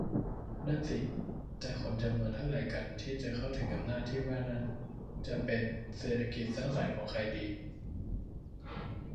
นั่นสิ แต่คนจำนวนเท่าไหร่กันที่จะเข้าถึงอำนาจที่ว่านั่น จะเป็น เศรษฐกิจสร้างสรรค์ของใครดี ?